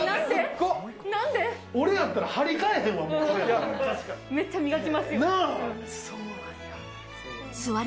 俺やったら張り替えへんわ。